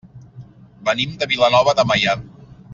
Venim de Vilanova de Meià.